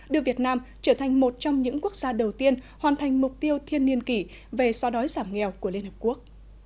đưa việt nam trở thành một trong những quốc gia đầu tiên hoàn thành mục tiêu thiên niên kỷ về so đói giảm nghèo của liên hợp quốc